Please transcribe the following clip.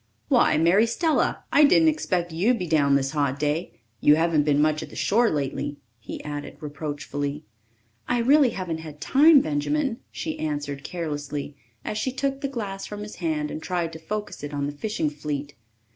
"Why, Mary Stella! I didn't expect you'd be down this hot day. You haven't been much at the shore lately," he added reproachfully. "I really haven't had time, Benjamin," she answered carelessly, as she took the glass from his hand and tried to focus it on the fishing fleet.